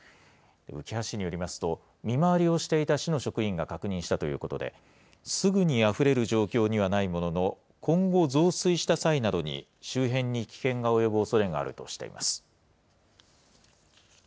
うきは市によりますと、見回りをしていた市の職員が確認したということで、すぐにあふれる状況にはないものの、今後、増水した際などに周辺に危険が及ぶおそれがあるとしています。